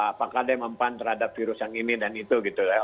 apakah ada yang mempun terhadap virus yang ini dan itu gitu